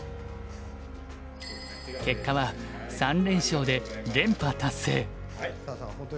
結果は３連勝で連覇達成。